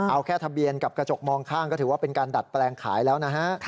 เอาแค่ทะเบียนกับกระจกมองข้างก็ถือว่าเป็นการดัดแปลงขายแล้วนะฮะ